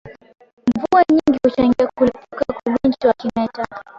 Mvua nyingi huchangia kulipuka kwa ugonjwa wa kimeta